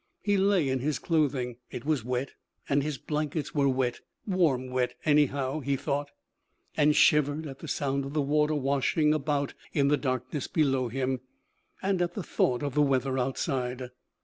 He lay in his clothing (it was wet and his blankets were wet 'Warm wet, anyhow,' he thought), and shivered at the sound of the water washing about in the darkness below him, and at the thought of the weather outside.